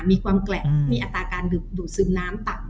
มีความแกร่งมีอัตราการดูดซึมน้ำตับ